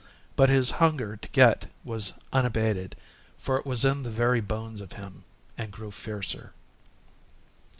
But his hunger to get was unabated, for it was in the very bones of him and grew fiercer.